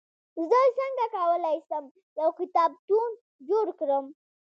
زه څنګه کولای سم، یو کتابتون جوړ کړم؟